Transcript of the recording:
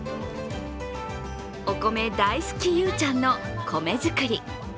お米大好き・ゆうちゃんの米作り。